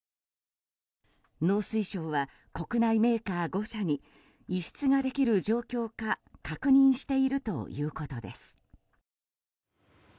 農水省は国内メーカー５社に輸出ができる状況か確認しているということです。